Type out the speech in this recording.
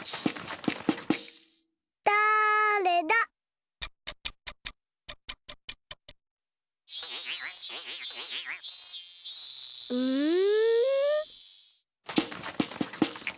うん？